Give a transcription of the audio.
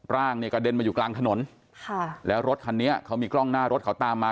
ร่างเนี่ยกระเด็นมาอยู่กลางถนนค่ะแล้วรถคันนี้เขามีกล้องหน้ารถเขาตามมา